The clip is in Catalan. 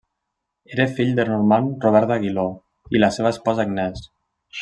Era fill del normand Robert d'Aguiló i la seva esposa Agnès.